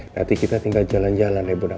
nanti kita tinggal jalan jalan ya bunda